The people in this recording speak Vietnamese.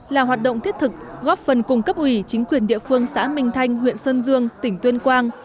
là hoạt động thiết thực góp phần cung cấp ủy chính quyền địa phương xã minh thanh huyện sơn dương tỉnh tuyên quang